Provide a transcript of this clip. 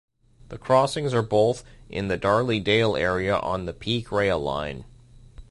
The crossings are both in the Darley Dale area on the Peak Rail line.